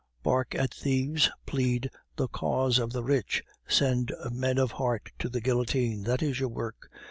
Bark at thieves, plead the cause of the rich, send men of heart to the guillotine, that is your work!